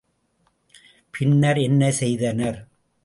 பின்னர் என்ன செய்தனர்?